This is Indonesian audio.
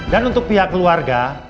dan untuk pihak keluarga